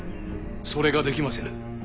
それができませぬ。